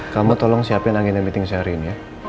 kamu tolong siapin angin emitting sehari ini ya